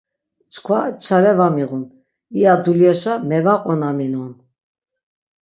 Çkva çare va miğun, iya dulyaşa mevaqonaminon.